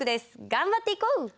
頑張っていこう！